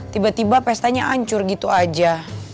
tiba tiba pestanya ancur gitu aja